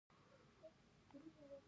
له بده مرغه چې وطن مې لکه غریبه ناوې وو.